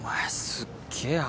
すっげえ